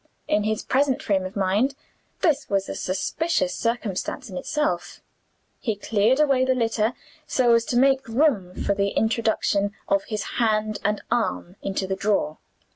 In his present frame of mind, this was a suspicious circumstance in itself. He cleared away the litter so as to make room for the introduction of his hand and arm into the drawer.